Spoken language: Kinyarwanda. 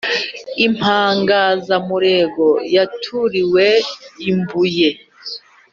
impangazamurego yanturiwe i Mbuye